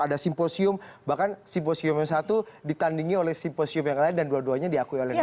ada simposium bahkan simposium yang satu ditandingi oleh simposium yang lain dan dua duanya diakui oleh dua